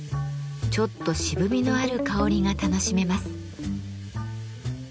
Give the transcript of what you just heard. ちょっと渋みのある香りが楽しめます。